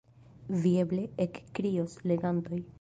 Vi eble ekkrios, legantoj.